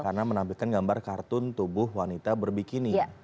karena menampilkan gambar kartun tubuh wanita berbikini